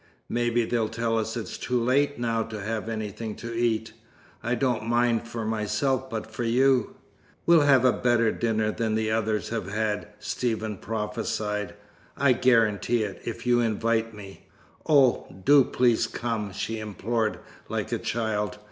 "Maybe they'll tell us it's too late now to have anything to eat. I don't mind for myself, but for you " "We'll have a better dinner than the others have had," Stephen prophesied. "I guarantee it, if you invite me." "Oh, do please come," she implored, like a child.